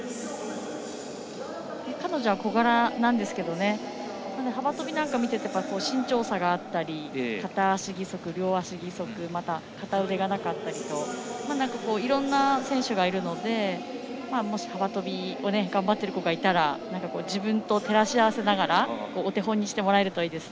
彼女は小柄なんですがなので、幅跳びを見ていると身長差があったり片足義足、両足義足また片腕がなかったりといろんな選手がいるのでもし幅跳びを頑張っている子がいたら自分と照らし合わせながらお手本にしてもらえるといいです。